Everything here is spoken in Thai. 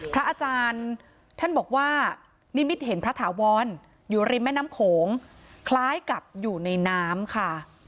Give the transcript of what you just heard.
พระอาจารย์ท่านบอกว่านิมิตเห็นพระถาวรอยู่ริมแม่น้ำโขงคล้ายกับอยู่ในน้ำค่ะ